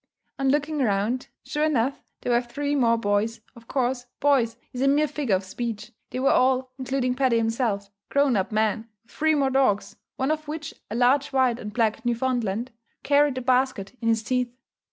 On looking round, sure enough, there were three more boys of course "boys" is a mere figure of speech, they were all, including Paddy himself, grown up men with three more dogs, one of which, a large white and black Newfoundland, carried a basket in his teeth.